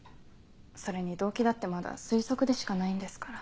それに動機だってまだ推測でしかないんですから。